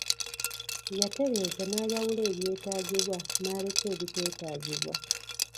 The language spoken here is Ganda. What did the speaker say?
Yatereeza n'ayawula ebyetaagibwa n'aleka ebiteetaagibwa.